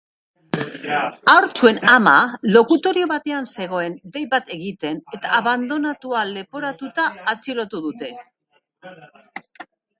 Haurtxoen ama lokutorio batean zegoen dei bat egiten eta abandonua leporatuta atxilotu dute.